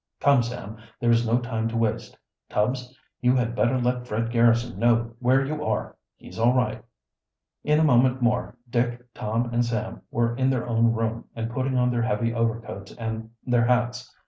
Come, Sam, there is no time to waste. Tubbs, you had better let Fred Garrison know where you are. He's all right." In a moment more Dick, Tom, and Sam were in their own room and putting on their heavy overcoats and their hats.